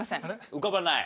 浮かばない？